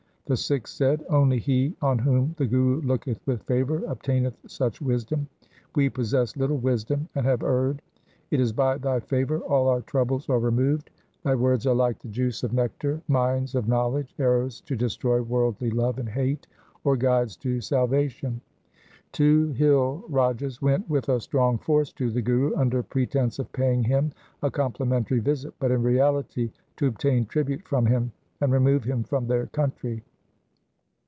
The Sikhs said, ' Only he on whom the Guru looketh with favour obtaineth such wisdom. We possess little wisdom, and have erred. It is by thy favour all our troubles are removed. Thy words are like the juice of nectar, mines of knowledge, arrows to destroy worldly love and hate, or guides to salvation.' Two hill Rajas went with a strong force to the Guru under pretence of paying him a complimentary visit, but in reality to obtain tribute from him, and remove him from their country.